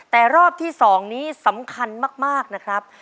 แต่รอบที่๒นี้สำคัญมากนะครับ